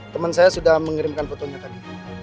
teman saya sudah mengirimkan fotonya tadi